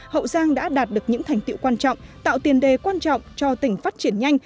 hậu giang đã đạt được những thành tiệu quan trọng tạo tiền đề quan trọng cho tỉnh phát triển nhanh